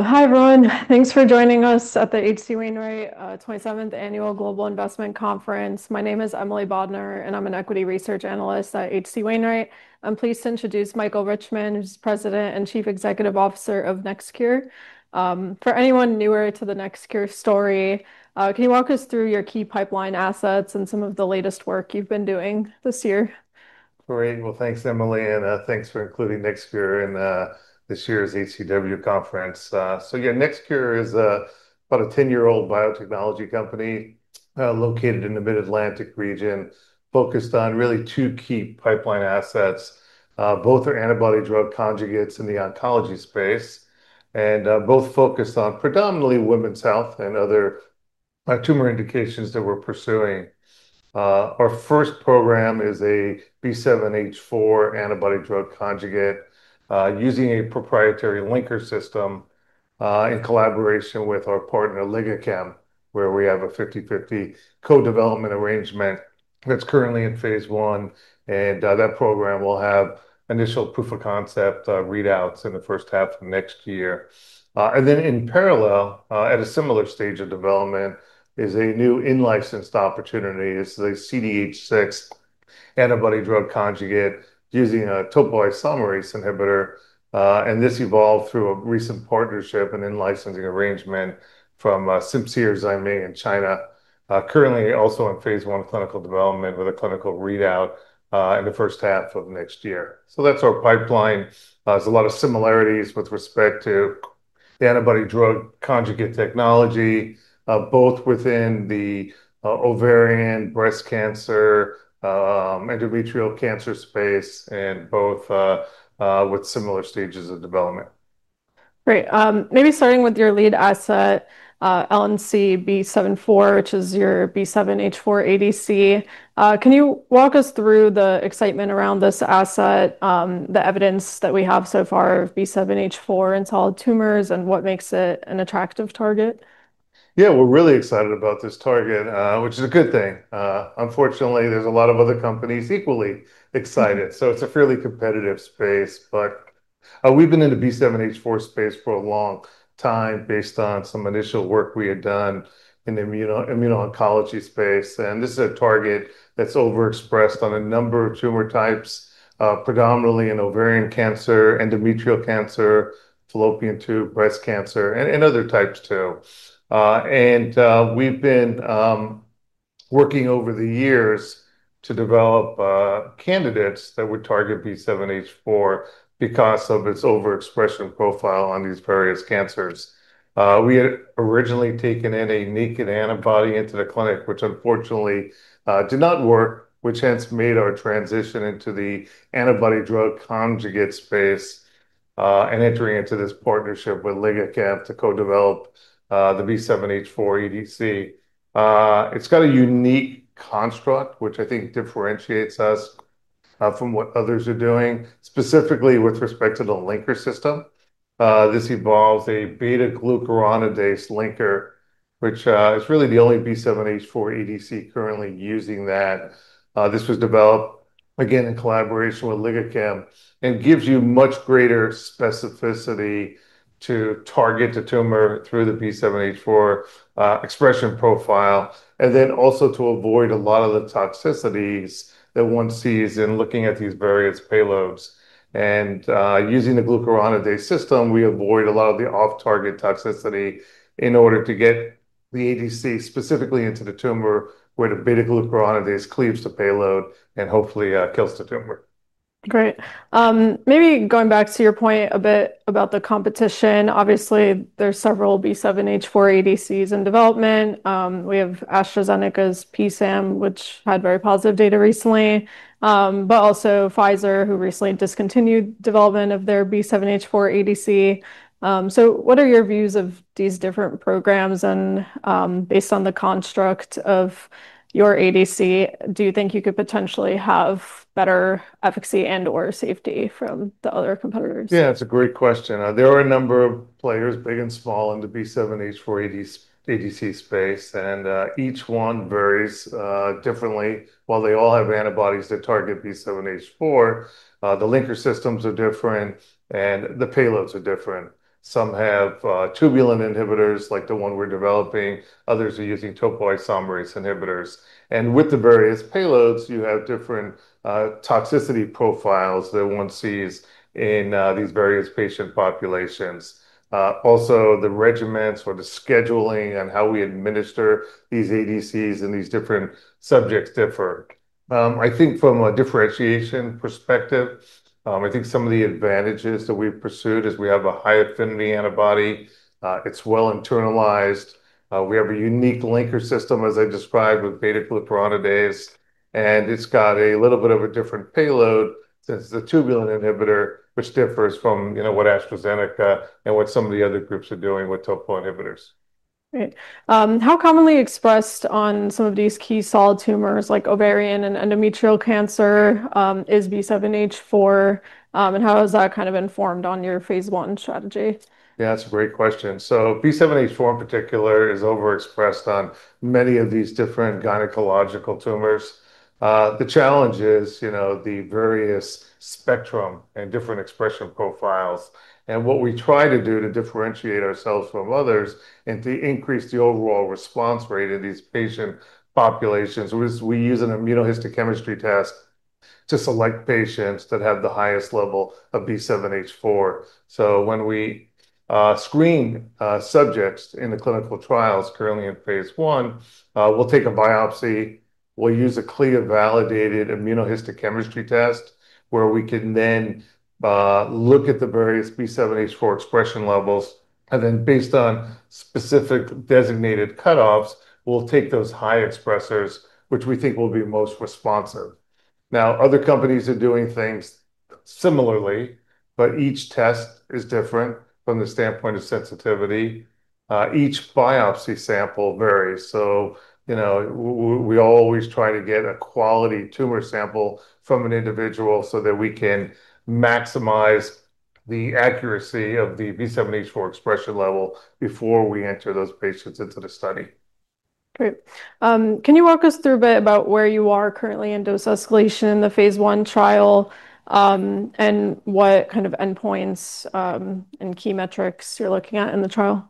Hi everyone, thanks for joining us at the H.C. Wainwright 27th Annual Global Investment Conference. My name is Emily Bodner, and I'm an Equity Research Analyst at H.C. Wainwright. I'm pleased to introduce Michael Richman, who's President and Chief Executive Officer of NextCure. For anyone newer to the NextCure story, can you walk us through your key pipeline assets and some of the latest work you've been doing this year? Great, thanks Emily, and thanks for including NextCure in this year's H.C. Wainwright conference. NextCure is about a 10-year-old biotechnology company located in the Mid-Atlantic region, focused on really two key pipeline assets. Both are antibody-drug conjugates in the oncology space, and both focused on predominantly women's health and other tumor indications that we're pursuing. Our first program is a B7H4 antibody-drug conjugate using a proprietary linker system in collaboration with our partner LigaChemBio, where we have a 50/50 co-development arrangement that's currently in phase one. That program will have initial proof-of-concept readouts in the first half of next year. In parallel, at a similar stage of development, is a new in-licensed opportunity. This is a CDH6 antibody-drug conjugate using a topoisomerase inhibitor, and this evolved through a recent partnership and in-licensing arrangement from Simcere Zaiming in China, currently also in phase one clinical development with a clinical readout in the first half of next year. That's our pipeline. There's a lot of similarities with respect to the antibody-drug conjugate technology, both within the ovarian, breast cancer, endometrial cancer space, and both with similar stages of development. Great, maybe starting with your lead asset, LNCB74, which is your B7H4 ADC, can you walk us through the excitement around this asset, the evidence that we have so far of B7H4 in solid tumors, and what makes it an attractive target? Yeah, we're really excited about this target, which is a good thing. Unfortunately, there's a lot of other companies equally excited, so it's a fairly competitive space. We've been in the B7H4 space for a long time based on some initial work we had done in the immuno-oncology space. This is a target that's overexpressed on a number of tumor types, predominantly in ovarian cancer, endometrial cancer, fallopian tube, breast cancer, and other types too. We've been working over the years to develop candidates that would target B7H4 because of its overexpression profile on these various cancers. We had originally taken in a naked antibody into the clinic, which unfortunately did not work, which hence made our transition into the antibody-drug conjugate space and entering into this partnership with LigaChemBio to co-develop the B7H4 ADC. It's got a unique construct, which I think differentiates us from what others are doing, specifically with respect to the linker system. This involves a beta-glucuronidase linker, which is really the only B7H4 ADC currently using that. This was developed again in collaboration with LigaChemBio and gives you much greater specificity to target the tumor through the B7H4 expression profile, and also to avoid a lot of the toxicities that one sees in looking at these various payloads. Using the glucuronidase system, we avoid a lot of the off-target toxicity in order to get the ADC specifically into the tumor where the beta-glucuronidase cleaves the payload and hopefully kills the tumor. Great, maybe going back to your point a bit about the competition, obviously there's several B7H4 ADCs in development. We have AstraZeneca's PSAM, which had very positive data recently, also Pfizer, who recently discontinued development of their B7H4 ADC. What are your views of these different programs? Based on the construct of your ADC, do you think you could potentially have better efficacy and/or safety from the other competitors? Yeah, that's a great question. There are a number of players, big and small, in the B7H4 ADC space, and each one varies differently. While they all have antibodies that target B7H4, the linker systems are different and the payloads are different. Some have tubulin inhibitors like the one we're developing, others are using topoisomerase inhibitors. With the various payloads, you have different toxicity profiles that one sees in these various patient populations. Also, the regimens or the scheduling and how we administer these ADCs in these different subjects differ. I think from a differentiation perspective, some of the advantages that we've pursued is we have a high affinity antibody, it's well internalized, we have a unique linker system, as I described, with beta-glucuronidase, and it's got a little bit of a different payload since it's a tubulin inhibitor, which differs from what AstraZeneca and what some of the other groups are doing with topo inhibitors. Great, how commonly expressed on some of these key solid tumors like ovarian and endometrial cancer is B7H4, and how has that kind of informed on your phase one strategy? Yeah, that's a great question. B7H4 in particular is overexpressed on many of these different gynecological tumors. The challenge is the various spectrum and different expression profiles, and what we try to do to differentiate ourselves from others and to increase the overall response rate of these patient populations is we use an immunohistochemistry test to select patients that have the highest level of B7H4. When we screen subjects in the clinical trials currently in phase one, we'll take a biopsy, we'll use a CLIA-validated immunohistochemistry test where we can then look at the various B7H4 expression levels, and then based on specific designated cutoffs, we'll take those high expressors, which we think will be most responsive. Other companies are doing things similarly, but each test is different from the standpoint of sensitivity. Each biopsy sample varies, so we always try to get a quality tumor sample from an individual so that we can maximize the accuracy of the B7H4 expression level before we enter those patients into the study. Great, can you walk us through a bit about where you are currently in dose escalation in the phase one trial, and what kind of endpoints and key metrics you're looking at in the trial?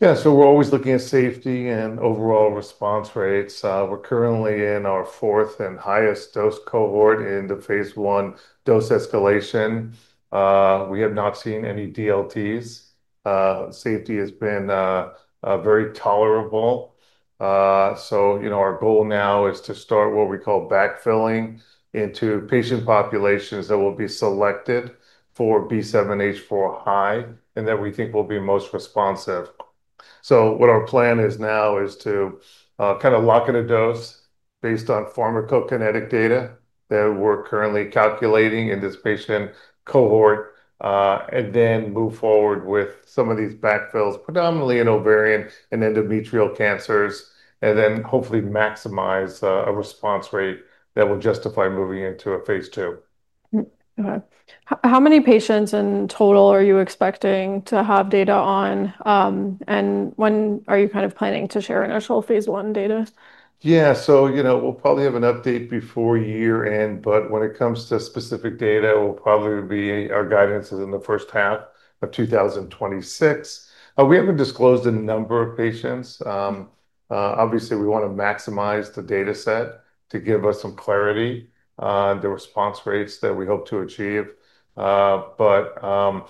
Yeah, so we're always looking at safety and overall response rates. We're currently in our fourth and highest dose cohort in the phase one dose escalation. We have not seen any DLTs. Safety has been very tolerable. Our goal now is to start what we call backfilling into patient populations that will be selected for B7H4 high and that we think will be most responsive. What our plan is now is to kind of lock in a dose based on pharmacokinetic data that we're currently calculating in this patient cohort and then move forward with some of these backfills, predominantly in ovarian and endometrial cancers, and then hopefully maximize a response rate that will justify moving into a phase two. Okay, how many patients in total are you expecting to have data on, and when are you kind of planning to share initial phase one data? Yeah, you know, we'll probably have an update before year-end, but when it comes to specific data, it will probably be our guidance is in the first half of 2026. We haven't disclosed a number of patients. Obviously, we want to maximize the data set to give us some clarity on the response rates that we hope to achieve. Also,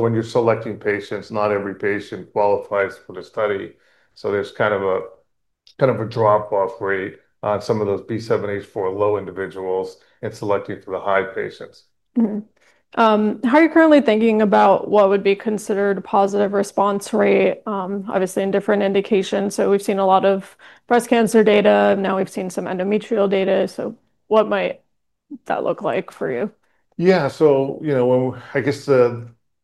when you're selecting patients, not every patient qualifies for the study, so there's kind of a drop-off rate on some of those B7H4 low individuals and selecting for the high patients. How are you currently thinking about what would be considered a positive response rate, obviously in different indications? We've seen a lot of breast cancer data, now we've seen some endometrial data, what might that look like for you? Yeah,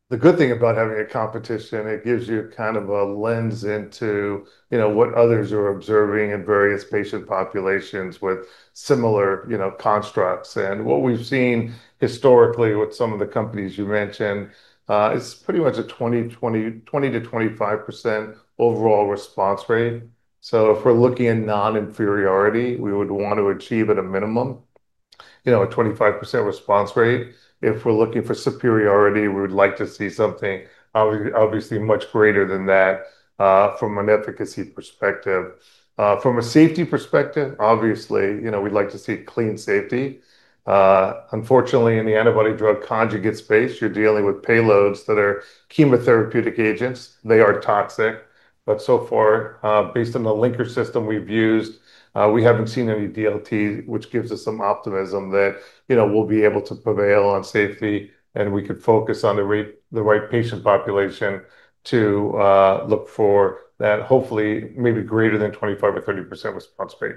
the good thing about having competition is it gives you kind of a lens into what others are observing in various patient populations with similar constructs. What we've seen historically with some of the companies you mentioned is pretty much a 20% to 25% overall response rate. If we're looking at non-inferiority, we would want to achieve at a minimum a 25% response rate. If we're looking for superiority, we would like to see something obviously much greater than that from an efficacy perspective. From a safety perspective, obviously, we'd like to see clean safety. Unfortunately, in the antibody-drug conjugate space, you're dealing with payloads that are chemotherapeutic agents. They are toxic, but so far, based on the linker system we've used, we haven't seen any DLT, which gives us some optimism that we'll be able to prevail on safety and we could focus on the right patient population to look for that hopefully maybe greater than 25% or 30% response rate.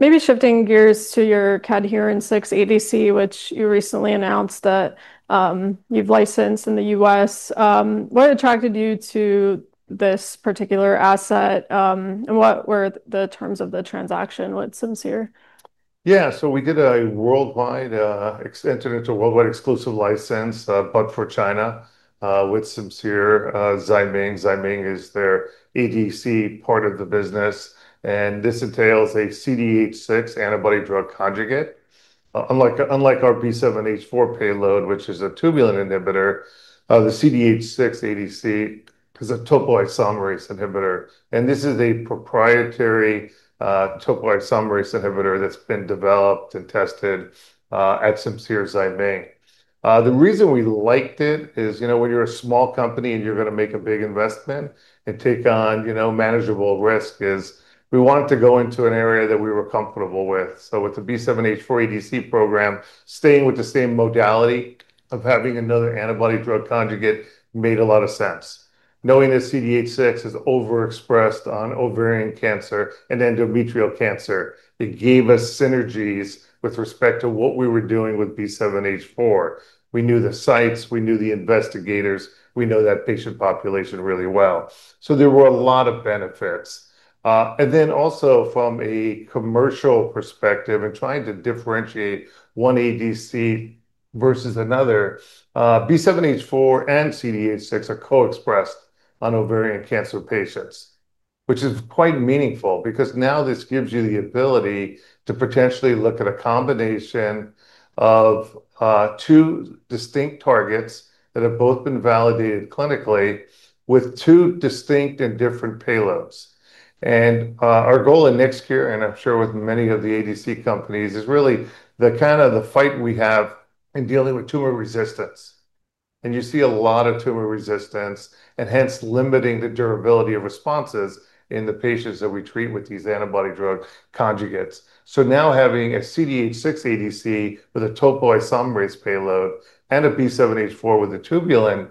Maybe shifting gears to your CDH6 ADC, which you recently announced that you've licensed in the U.S. What attracted you to this particular asset, and what were the terms of the transaction with Simcere Zaiming? Yeah, so we did a worldwide, entered into a worldwide exclusive license, but for China with Simcere Zaiming. Zaiming is their ADC part of the business, and this entails a CDH6 antibody-drug conjugate. Unlike our B7H4 payload, which is a tubulin inhibitor, the CDH6 ADC is a topoisomerase inhibitor, and this is a proprietary topoisomerase inhibitor that's been developed and tested at Simcere Zaiming. The reason we liked it is, you know, when you're a small company and you're going to make a big investment and take on, you know, manageable risk is we wanted to go into an area that we were comfortable with. With the B7H4 ADC program, staying with the same modality of having another antibody-drug conjugate made a lot of sense. Knowing that CDH6 is overexpressed on ovarian cancer and endometrial cancer, it gave us synergies with respect to what we were doing with B7H4. We knew the sites, we knew the investigators, we know that patient population really well. There were a lot of benefits. Also, from a commercial perspective and trying to differentiate one ADC versus another, B7H4 and CDH6 are co-expressed on ovarian cancer patients, which is quite meaningful because now this gives you the ability to potentially look at a combination of two distinct targets that have both been validated clinically with two distinct and different payloads. Our goal in NextCure, and I'm sure with many of the ADC companies, is really the kind of the fight we have in dealing with tumor resistance. You see a lot of tumor resistance, and hence limiting the durability of responses in the patients that we treat with these antibody-drug conjugates. Now having a CDH6 ADC with a topoisomerase payload and a B7H4 with a tubulin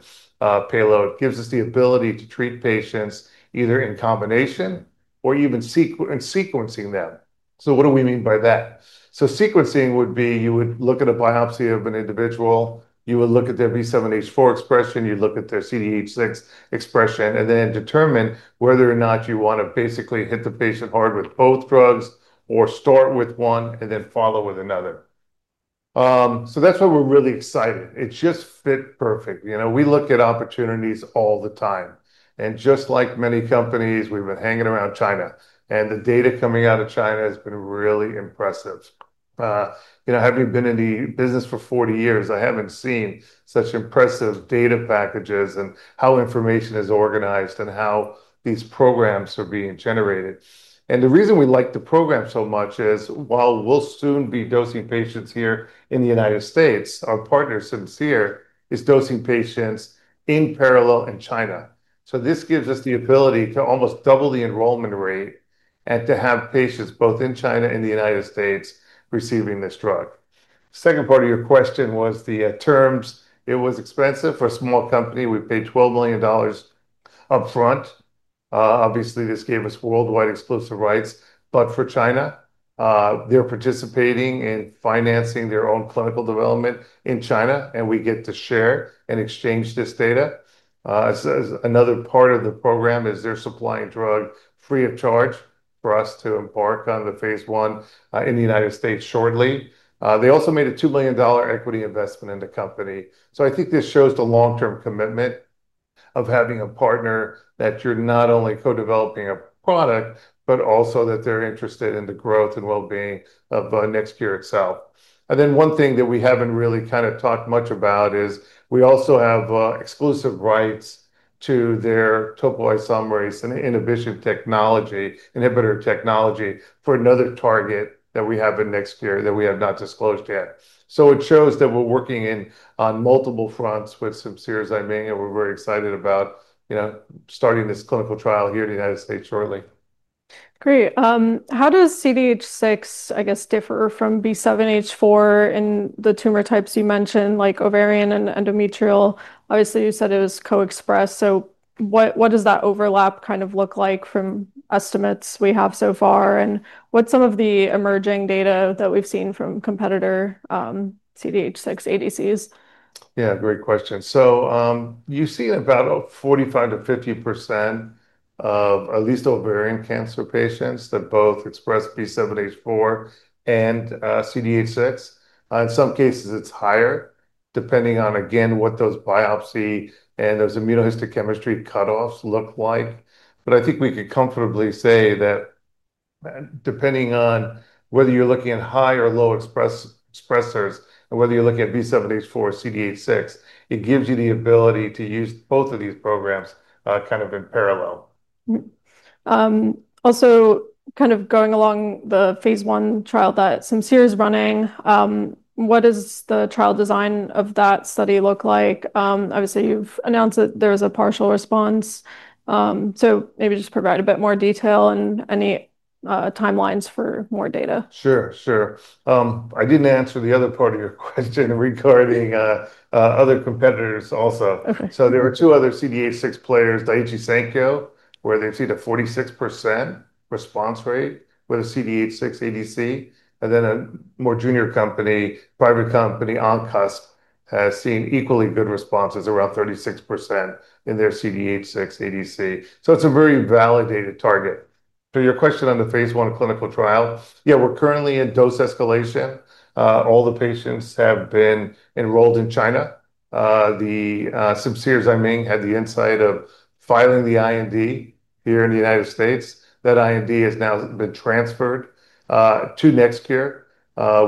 payload gives us the ability to treat patients either in combination or even sequencing them. What do we mean by that? Sequencing would be you would look at a biopsy of an individual, you would look at their B7H4 expression, you'd look at their CDH6 expression, and then determine whether or not you want to basically hit the patient hard with both drugs or start with one and then follow with another. That's why we're really excited. It just fit perfectly. We look at opportunities all the time. Just like many companies, we've been hanging around China, and the data coming out of China has been really impressive. You know, having been in the business for 40 years, I haven't seen such impressive data packages and how information is organized and how these programs are being generated. The reason we like the program so much is, while we'll soon be dosing patients here in the U.S., our partner, Simcere Zaiming, is dosing patients in parallel in China. This gives us the ability to almost double the enrollment rate and to have patients both in China and the U.S. receiving this drug. The second part of your question was the terms. It was expensive for a small company. We paid $12 million upfront. Obviously, this gave us worldwide exclusive rights, but for China, they're participating in financing their own clinical development in China, and we get to share and exchange this data. Another part of the program is they're supplying drugs free of charge for us to embark on the phase one in the U.S. shortly. They also made a $2 million equity investment in the company. I think this shows the long-term commitment of having a partner that you're not only co-developing a product, but also that they're interested in the growth and well-being of NextCure itself. One thing that we haven't really kind of talked much about is we also have exclusive rights to their topoisomerase inhibitor technology for another target that we have in NextCure that we have not disclosed yet. It shows that we're working on multiple fronts with Simcere Zaiming, and we're very excited about starting this clinical trial here in the U.S. shortly. Great, how does CDH6, I guess, differ from B7H4 in the tumor types you mentioned, like ovarian and endometrial? Obviously, you said it was co-expressed, so what does that overlap kind of look like from estimates we have so far, and what's some of the emerging data that we've seen from competitor CDH6 ADCs? Great question. You see about 45% to 50% of at least ovarian cancer patients that both express B7H4 and CDH6. In some cases, it's higher, depending on what those biopsy and those immunohistochemistry cutoffs look like. I think we could comfortably say that depending on whether you're looking at high or low expressors, and whether you're looking at B7H4 or CDH6, it gives you the ability to use both of these programs in parallel. Also, kind of going along the phase one trial that Simcere Zaiming is running, what does the trial design of that study look like? Obviously, you've announced that there's a partial response, so maybe just provide a bit more detail and any timelines for more data. Sure, sure. I didn't answer the other part of your question regarding other competitors also. There were two other CDH6 players, Daiichi Sankyo, where they've seen a 46% response rate with a CDH6 ADC, and then a more junior company, private company Oncust, has seen equally good responses, around 36% in their CDH6 ADC. It's a very validated target. To your question on the phase one clinical trial, we're currently in dose escalation. All the patients have been enrolled in China. Simcere Zaiming had the insight of filing the IND here in the U.S. That IND has now been transferred to NextCure.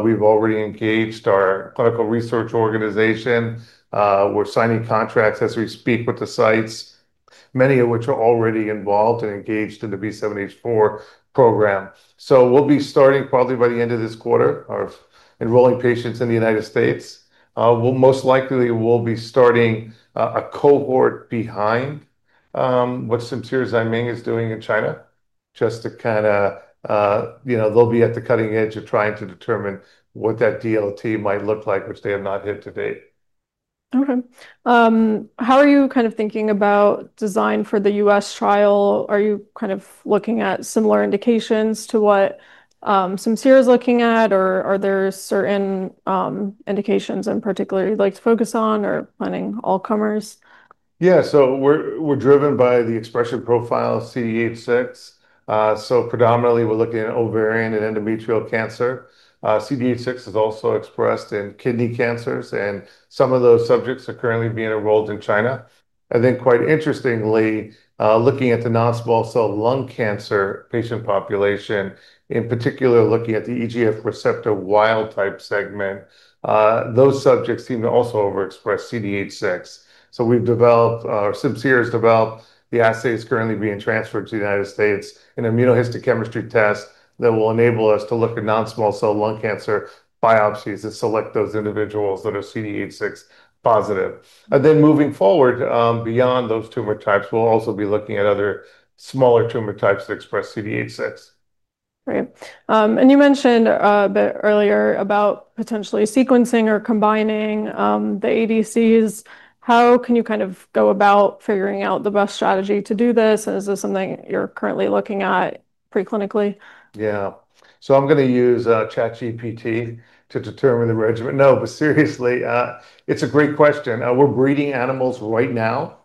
We've already engaged our clinical research organization. We're signing contracts as we speak with the sites, many of which are already involved and engaged in the B7H4 program. We'll be starting probably by the end of this quarter of enrolling patients in the U.S. We'll most likely be starting a cohort behind what Simcere Zaiming is doing in China, just to kind of, you know, they'll be at the cutting edge of trying to determine what that DLT might look like, which they have not hit today. Okay, how are you kind of thinking about design for the U.S. trial? Are you kind of looking at similar indications to what Simcere Zaiming is looking at, or are there certain indications in particular you'd like to focus on or planning all comers? Yeah, we're driven by the expression profile of CDH6. Predominantly, we're looking at ovarian and endometrial cancer. CDH6 is also expressed in kidney cancers, and some of those subjects are currently being enrolled in China. Quite interestingly, looking at the non-small cell lung cancer patient population, in particular looking at the EGF receptor wild type segment, those subjects seem to also overexpress CDH6. We've developed, or Simcere Zaiming has developed, the assay that's currently being transferred to the U.S., an immunohistochemistry test that will enable us to look at non-small cell lung cancer biopsies and select those individuals that are CDH6 positive. Moving forward beyond those tumor types, we'll also be looking at other smaller tumor types that express CDH6. Great, you mentioned a bit earlier about potentially sequencing or combining the ADCs. How can you kind of go about figuring out the best strategy to do this, and is this something you're currently looking at preclinically? Yeah, so I'm going to use ChatGPT to determine the regimen. No, but seriously, it's a great question. We're breeding animals right now.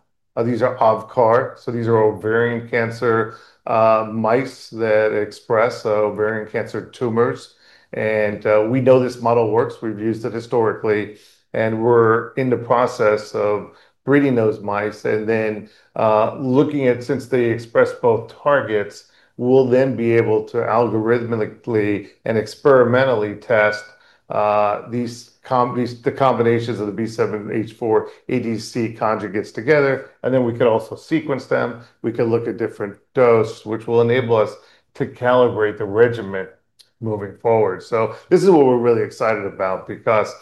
These are AVCAR, so these are ovarian cancer mice that express ovarian cancer tumors, and we know this model works. We've used it historically, and we're in the process of breeding those mice and then looking at, since they express both targets, we'll then be able to algorithmically and experimentally test the combinations of the B7H4 ADC conjugates together, and then we can also sequence them. We can look at different doses, which will enable us to calibrate the regimen moving forward. This is what we're really excited about because,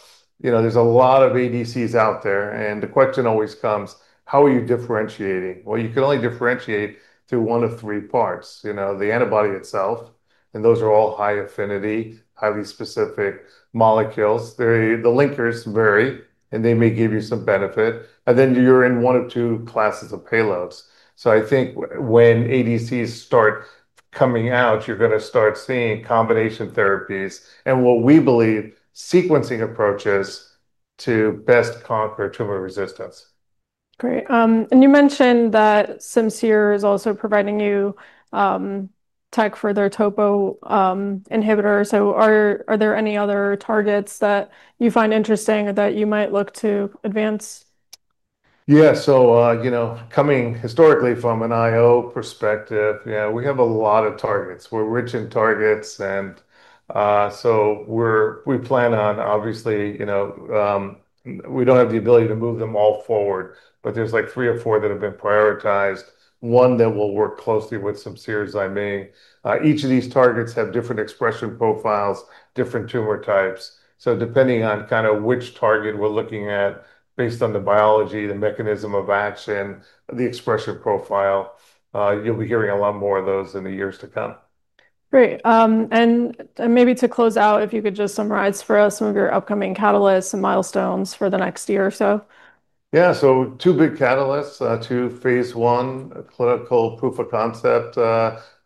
you know, there's a lot of ADCs out there, and the question always comes, how are you differentiating? You can only differentiate through one of three parts, you know, the antibody itself, and those are all high affinity, highly specific molecules. The linkers vary, and they may give you some benefit, and then you're in one of two classes of payloads. I think when ADCs start coming out, you're going to start seeing combination therapies and what we believe sequencing approaches to best conquer tumor resistance. Great, and you mentioned that Simcere Zaiming is also providing you tech for their topo inhibitor. Are there any other targets that you find interesting or that you might look to advance? Yeah, coming historically from an IO perspective, we have a lot of targets. We're rich in targets, and we plan on, obviously, we don't have the ability to move them all forward, but there's like three or four that have been prioritized, one that we'll work closely with Simcere Zaiming. Each of these targets has different expression profiles, different tumor types. Depending on which target we're looking at, based on the biology, the mechanism of action, the expression profile, you'll be hearing a lot more of those in the years to come. Great, maybe to close out, if you could just summarize for us some of your upcoming catalysts and milestones for the next year or so. Yeah, two big catalysts, two phase one clinical proof-of-concept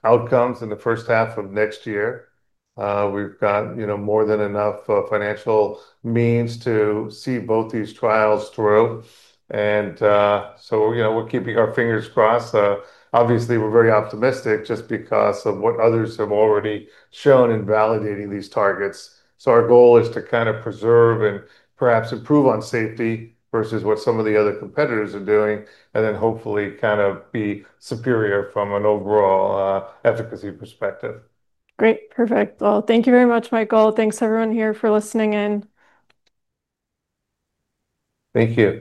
outcomes in the first half of next year. We've got more than enough financial means to see both these trials through, and we're keeping our fingers crossed. Obviously, we're very optimistic just because of what others have already shown in validating these targets. Our goal is to kind of preserve and perhaps improve on safety versus what some of the other competitors are doing, and then hopefully kind of be superior from an overall efficacy perspective. Great, perfect. Thank you very much, Michael. Thanks everyone here for listening in. Thank you.